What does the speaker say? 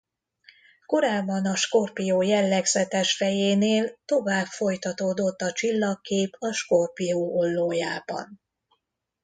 Korábban a Skorpió jellegzetes fejénél tovább folytatódott a csillagkép a Skorpió ollójában.